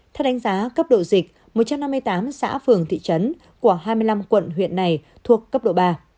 theo đánh giá cấp độ dịch một trăm năm mươi tám xã phường thị trấn của hai mươi năm quận huyện này thuộc cấp độ ba